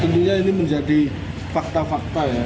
tentunya ini menjadi fakta fakta ya